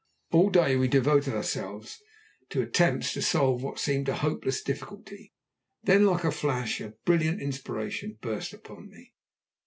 All day we devoted ourselves to attempts to solve what seemed a hopeless difficulty. Then like a flash a brilliant inspiration burst upon me.